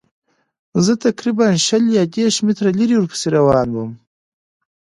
زه تقریباً شل یا دېرش متره لرې ورپسې روان وم.